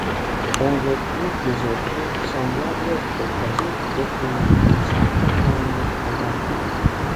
On retrouve des objets semblables au kazoo depuis des centaines d'années en Afrique.